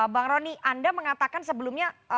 bang roni anda mengatakan sebelumnya